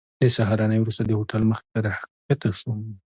د سهارنۍ وروسته د هوټل مخې ته راښکته شوم.